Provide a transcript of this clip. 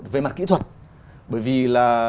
về mặt kỹ thuật bởi vì là